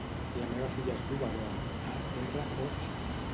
La meva filla es diu Aroa: a, erra, o, a.